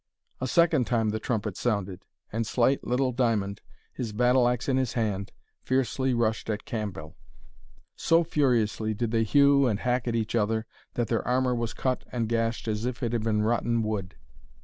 A second time the trumpet sounded, and slight little Diamond, his battle axe in his hand, fiercely rushed at Cambell. So furiously did they hew and hack at each other, that their armour was cut and gashed as if it had been rotten wood.